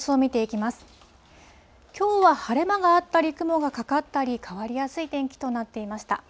きょうは晴れ間があったり、雲がかかったり、変わりやすい天気となっていました。